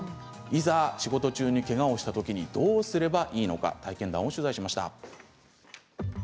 いざ仕事中にけがをしたときにどうしたらいいのか体験談を取材しました。